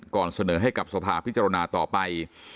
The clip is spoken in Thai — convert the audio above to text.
เสนอให้กับสภาพิจารณาต่อไป